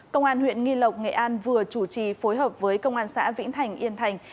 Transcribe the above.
công an huyện nghi lộc nghệ an vừa chủ trì phối hợp với công an xã vĩnh thành yên thành